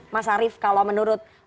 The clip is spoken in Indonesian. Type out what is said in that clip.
mas arief kalau menurut